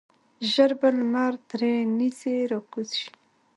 ژر به لمر درې نیزې راکوز شي.